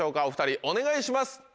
お２人お願いします。